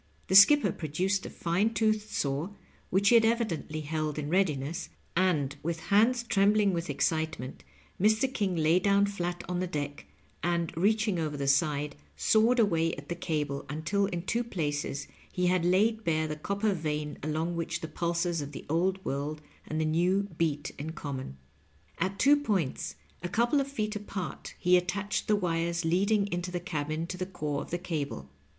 The skipper pro duced a fine toothed saw, which he had evidently held in readiness, and with hands trembling with excitement Mr. King lay down flat on the deck, and, reaching over the side, sawed away at the cable, until in two places he had laid bare the copper vein along which the pulses of the Old World and the New beat in common. At two points a couple of feet apart he attached the wires lead ing into the cabin to the core of the cable.